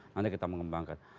nanti kita mengembangkan